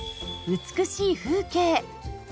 美しい風景